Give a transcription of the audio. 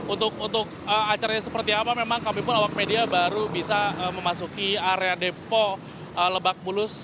untuk acaranya seperti apa memang kami pun awak media baru bisa memasuki area depo lebak bulus